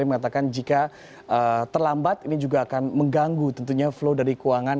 yang mengatakan jika terlambat ini juga akan mengganggu tentunya flow dari keuangan